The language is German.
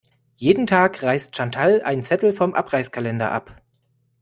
Jeden Tag reißt Chantal einen Zettel vom Abreißkalender ab.